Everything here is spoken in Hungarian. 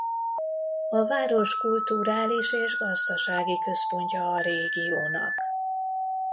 A város kulturális és gazdasági központja a régiónak.